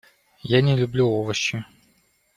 Я не люблю овощи.